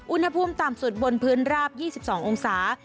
อุณหภูมิต่ำสุดบนพื้นราบ๒๒องศา